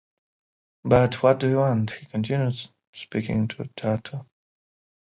But what do you want? he continued, speaking to Toto.